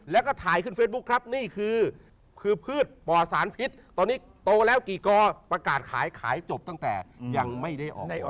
แล้วก็ถ่ายขึ้นเฟซบุ๊คครับนี่คือคือพืชปอดสารพิษตอนนี้โตแล้วกี่กอประกาศขายขายจบตั้งแต่ยังไม่ได้ออก